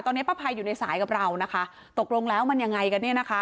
ตอนนี้ป้าภัยอยู่ในสายกับเรานะคะตกลงแล้วมันยังไงกันเนี่ยนะคะ